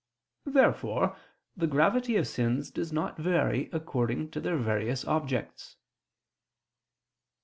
Therefore the gravity of sins does not vary according to their various objects.